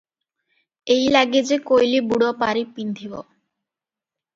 ଏଇଲାଗେ ଯେ କୋଇଲିବୁଡ଼ ପାରି ପିନ୍ଧିବ?